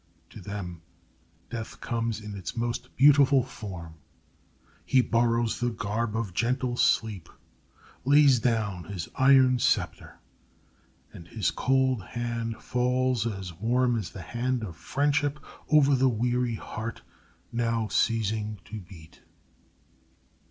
To them death comes in its most beautiful form. He borrows the garb of gentle sleep, lays down his iron scepter, and his cold hand falls as warm as the hand of friendship over the weary heart now ceasing to beat.